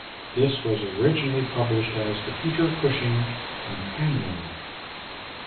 This was originally published as "The Peter Cushing Companion".